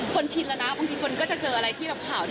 ชินแล้วนะบางทีคนก็จะเจออะไรที่แบบข่าวดี